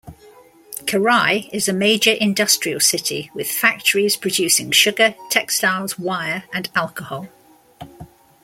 Karaj is a major industrial city, with factories producing sugar, textiles, wire, and alcohol.